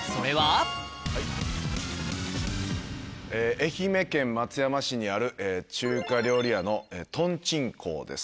愛媛県松山市にある中華料理屋の豚珍行です。